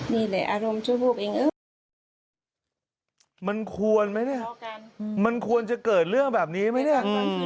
นี่แหละอารมณ์ชั่ววูบเองมันควรไหมเนี่ยมันควรจะเกิดเรื่องแบบนี้ไหมเนี่ย